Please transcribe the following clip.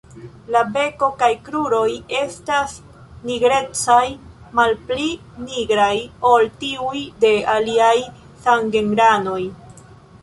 La beko kaj kruroj estas nigrecaj, malpli nigraj ol tiuj de aliaj samgenranoj.